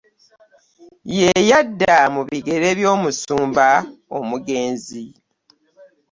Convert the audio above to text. Ye yadda mu bigere by'omusumba omugenzi